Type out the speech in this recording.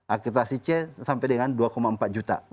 akreditasi c sampai dengan dua empat juta